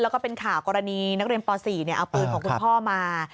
แล้วก็เป็นข่าวกรณีนักเรียนป๔เอาปืนของคุณพ่อมา